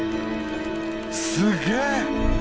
すげえ！